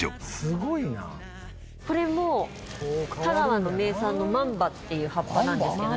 これも香川の名産のまんばっていう葉っぱなんですけどね。